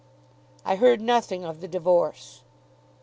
"I heard nothing of the divorce."